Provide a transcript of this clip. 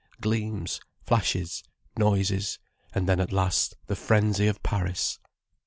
Gleams, flashes, noises and then at last the frenzy of Paris.